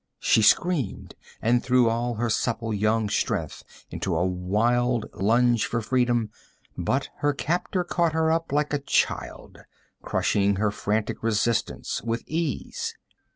She screamed and threw all her supple young strength into a wild lunge for freedom, but her captor caught her up like a child, crushing her frantic resistance with ease.